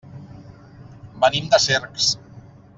Venim de Cercs.